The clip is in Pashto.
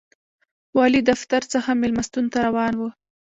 والي دفتر څخه مېلمستون ته روان و.